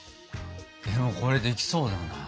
でもこれできそうだな。